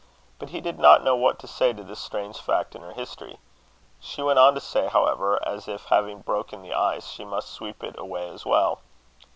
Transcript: But he did not know what to say to this strange fact in her history. She went on, however, as if, having broken the ice, she must sweep it away as well.